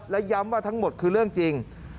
และย้ำว่าทั้งหมดคือเรื่องจริง